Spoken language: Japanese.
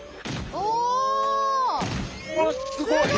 おっすごい。